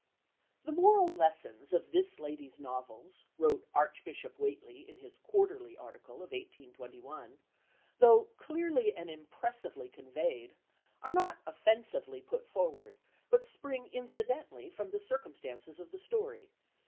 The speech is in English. "The moral lessons of this lady's novels," wrote Archbishop Whately in his Quarterly article of 1821, "though clearly and impressively conveyed, are not offensively put forward, but spring incidentally from the circumstances of the story."